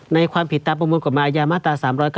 ความผิดตามประมวลกฎหมายยามาตรา๓๙